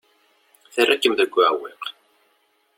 Terra-kem deg uɛewwiq.